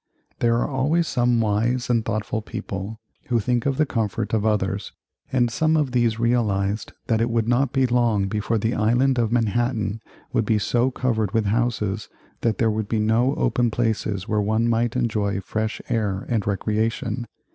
There are always some wise and thoughtful people who think of the comfort of others, and some of these realized that it would not be long before the Island of Manhattan would be so covered with houses that there would be no open places where one might enjoy fresh air and recreation.